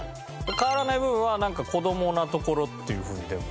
変わらない部分はなんか子どもなところっていうふうに。